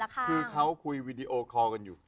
คือเขาคุยวีดีโอคอลกันอยู่